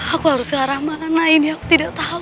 aku harus ke arah mana ini aku tidak tahu